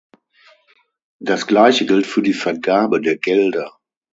Das gleiche gilt für die Vergabe der Gelder.